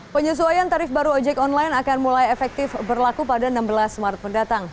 penyesuaian tarif baru ojek online akan mulai efektif berlaku pada enam belas maret mendatang